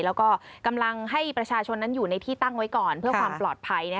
แล้วก็กำลังให้ประชาชนนั้นอยู่ในที่ตั้งไว้ก่อนเพื่อความปลอดภัย